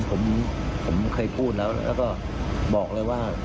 ผมเคยพูดแล้วแล้วก็บอกเลยว่า